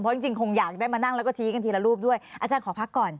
จริงคงอยากได้มานั่งแล้วก็ชี้กันทีละรูปด้วยอาจารย์ขอพักก่อน